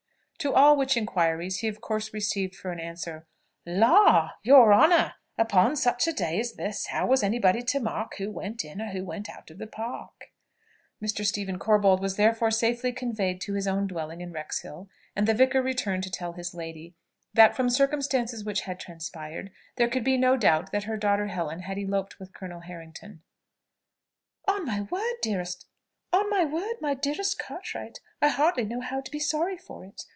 To all which inquiries he of course received for answer, "Law! your honour, upon such a day as this, how was any body to mark who went in, or who went out of the Park?" Mr. Stephen Corbold was therefore safely conveyed to his own dwelling in Wrexhill; and the vicar returned to tell his lady, that from circumstances which had transpired, there could be no doubt that her daughter Helen had eloped with Colonel Harrington. "On my word, my dearest Cartwright, I hardly know how to be sorry for it.